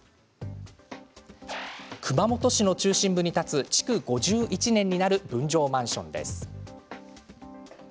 熊本市の中心部に建つ築５１年になる分譲マンションです。